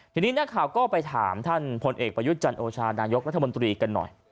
ทีนี้นักข่าวก็ไปถามท่านพลเอกประยุทธ์จันโอชานายกรัฐมนตรีกันหน่อย